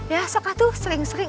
ya suka tuh sering sering